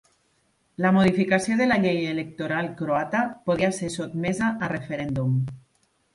La modificació de la llei electoral croata podria ser sotmesa a referèndum.